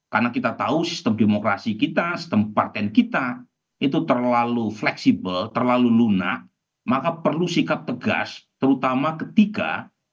karena kita tahu sistem demokrasi kita sistem parten kita itu terlalu fleksibel terlalu lunak maka perlu sikap tegas terutama ketika